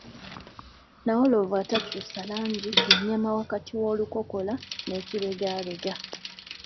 Nawolovu atakyusa langi ye nnyama wakati w’olukokola n’ekibegabega.